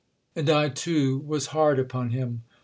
And I, too, was hard upon him.